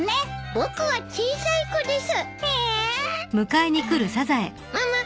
僕は小さい子です。